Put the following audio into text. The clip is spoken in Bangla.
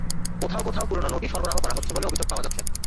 কোথাও কোথাও পুরোনো নোটই সরবরাহ করা হচ্ছে বলে অভিযোগ পাওয়া যাচ্ছে।